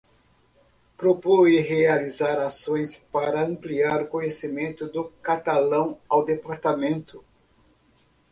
Propor e realizar ações para ampliar o conhecimento do catalão ao Departamento.